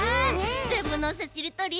「ぜんぶのせしりとり」